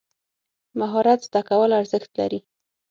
مهارت زده کول ارزښت لري.